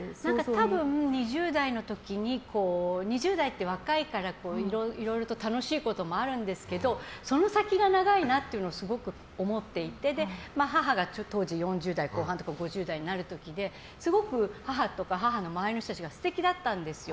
多分、２０代の時に２０代って若いからいろいろと楽しいこともあるんですけどその先が長いなっていうのをすごく思っていて母が当時４０代後半とか５０代になる時ですごく母とか母の周りの人たちが素敵だったんですよ